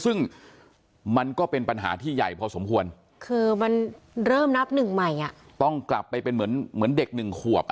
ซึ่งมันก็เป็นปัญหาที่ใหญ่พอสมควรคือมันเริ่มนับหนึ่งใหม่อ่ะต้องกลับไปเป็นเหมือนเด็กหนึ่งขวบ